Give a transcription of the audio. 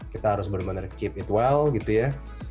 kita harus benar benar keep it well gitu ya